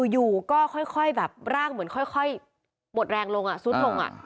อยู่ก็ค่อยแบบร่างเหมือนค่อยหมดแรงลงซุดลง